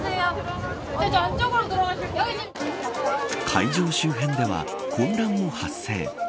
会場周辺では混乱も発生。